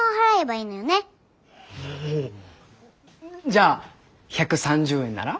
じゃあ１３０円なら？